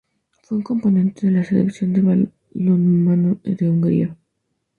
Fue un componente de la selección de balonmano de Hungría.